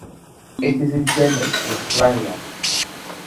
It is endemic to Australia.